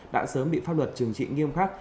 đã sớm bị pháp luật trừng trị nghiêm khắc